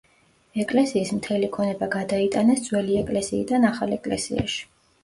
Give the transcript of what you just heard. ეკლესიის მთელი ქონება გადაიტანეს ძველი ეკლესიიდან ახალ ეკლესიაში.